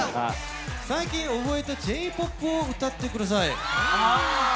「最近覚えたＪ−ＰＯＰを歌ってください」。